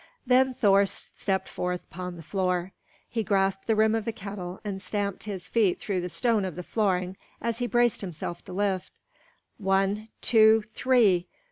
Then Thor stepped forth upon the floor. He grasped the rim of the kettle, and stamped his feet through the stone of the flooring as he braced himself to lift. One, two, three!